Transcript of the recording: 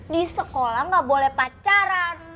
di sekolah nggak boleh pacaran